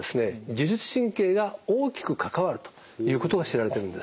自律神経が大きく関わるということが知られてるんです。